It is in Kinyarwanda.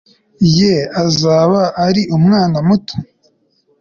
Ye azaba ari umwana muto